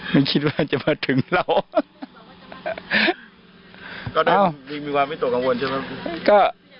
ไม่คิดว่าจะมาถึงเรา